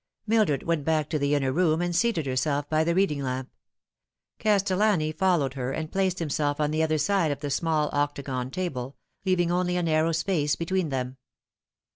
Mildred went back to the inner room, and seated herself by the reading lamp. Castellani followed her, and placed himself on the other side of the small octagon table, leaving only a narrow space between them.